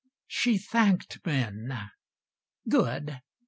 She thanked men good!